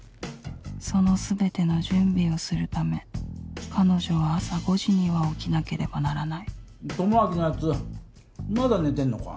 そのすべての準備をするため彼女は朝５時には起きなければならない智明のやつまだ寝てるのか？